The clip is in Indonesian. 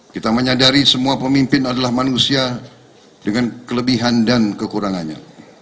kita menyadari semua pemimpin adalah manusia dengan kelebihan dan kekurangannya